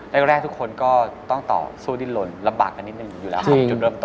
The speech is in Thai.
แรกทุกคนก็ต้องต่อสู้ดิ้นลนลำบากกันนิดนึงอยู่แล้วครับจุดเริ่มต้น